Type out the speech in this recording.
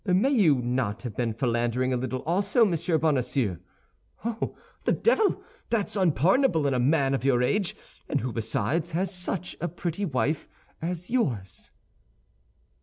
May you not have been philandering a little also, Monsieur Bonacieux? Oh, the devil! That's unpardonable in a man of your age, and who besides, has such a pretty wife as yours."